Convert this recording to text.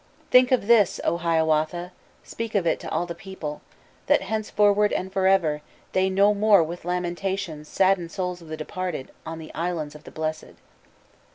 "Think of this, O Hiawatha! Speak of it to all the people, That henceforward and forever They no more with lamentations Sadden souls of the departed In the Islands of the Blessèd."